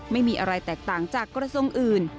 ไม่มีอะไรแตกต่างจากกระทรงอื่น